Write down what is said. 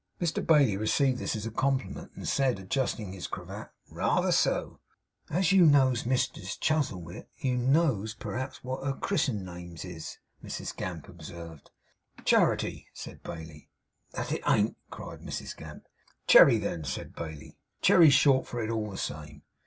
Mr Bailey received this as a compliment, and said, adjusting his cravat, 'reether so.' 'As you knows Mrs Chuzzlewit, you knows, p'raps, what her chris'en name is?' Mrs Gamp observed. 'Charity,' said Bailey. 'That it ain't!' cried Mrs Gamp. 'Cherry, then,' said Bailey. 'Cherry's short for it. It's all the same.